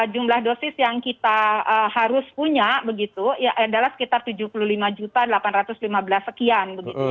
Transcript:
jumlah dosis yang kita harus punya begitu adalah sekitar tujuh puluh lima delapan ratus lima belas sekian